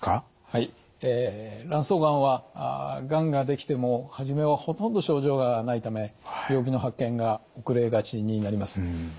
はい卵巣がんはがんが出来ても初めはほとんど症状がないため病気の発見が遅れがちになります。